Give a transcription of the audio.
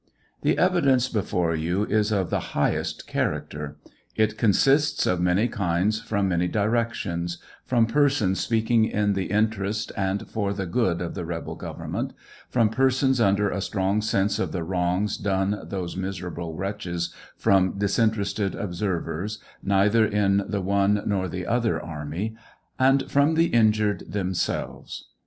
The evidence before you is of the highest character. It consists of many kinds, froni many directions, from persons speaking in the interest and for the good of the rebel government, from persons under a strong sense of the wrongs done those miserable wretches, from disinterested observers neither in the one nor the other army, and from the injured themselves.